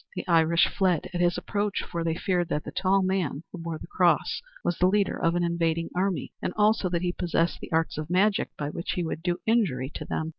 The Irish fled at his approach, for they feared that the tall man who bore the cross was the leader of an invading army, and also that he possessed the arts of magic by which he would do injury to them.